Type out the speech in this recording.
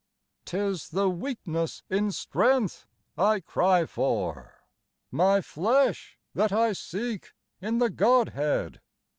Tis the weakness in strength I cry for ! my flesh, that I seek In the Godhead!